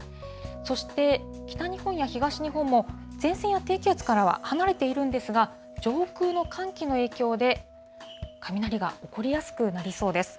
そして北日本や東日本も前線や低気圧からは離れているんですが、上空の寒気の影響で、雷が起こりやすくなりそうです。